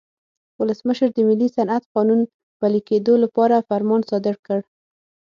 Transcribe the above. ولسمشر د ملي صنعت قانون پلي کېدو لپاره فرمان صادر کړ.